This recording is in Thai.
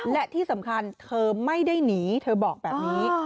และที่สำคัญเธอไม่ได้หนีเธอบอกแบบนี้